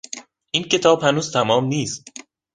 این کتاب هنوز تمام نیست.